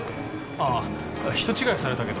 あ人違いされたけど。